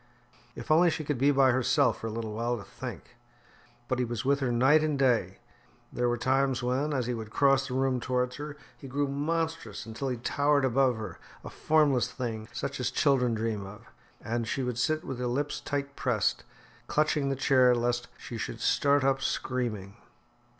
If only she could be by herself for a little while to think! But he was with her night and day. There were times when, as he would cross the room towards her, he grew monstrous until he towered above her, a formless thing such as children dream of. And she would sit with her lips tight pressed, clutching the chair lest she should start up screaming.